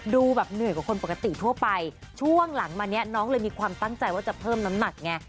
ดูแบบเหนื่อยกว่าคนปกติทั่วไปช่วงหลังมาเนี่ยน้องเลยมีความตั้งใจว่าจะเพิ่มน้ำหนักไง